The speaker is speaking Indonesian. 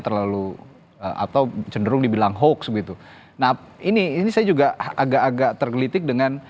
terlalu atau cenderung dibilang hoax begitu nah ini ini saya juga agak agak tergelitik dengan